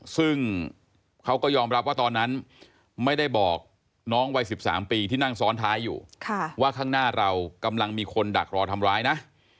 ซึ่งเขาก็ยอมรับว่าตอนนั้นไม่ได้บอกน้องวัย๑๓ปีที่นั่งซ้อนท้ายอยู่ว่าข้างหน้าเรากำลังมีคนดักรอทำร้ายนะ